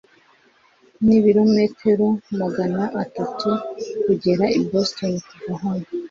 Nibirometero magana atatu kugera i Boston kuva hano